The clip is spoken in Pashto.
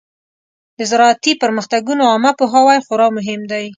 د زراعتي پرمختګونو عامه پوهاوی خورا مهم دی.